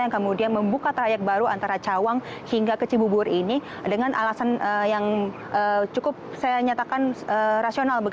yang kemudian membuka trayek baru antara cawang hingga ke cibubur ini dengan alasan yang cukup saya nyatakan rasional